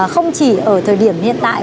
không chỉ ở thời điểm hiện tại